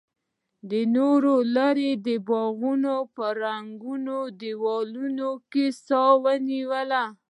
نورو لرې د باغونو په ړنګو دیوالونو کې سا ونیوله.